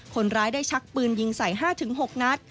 คนร้ายได้ชักปืนยิงใส่๕๖นัด